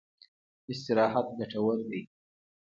استراحت ګټور دی.